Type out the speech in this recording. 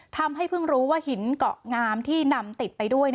เพิ่งรู้ว่าหินเกาะงามที่นำติดไปด้วย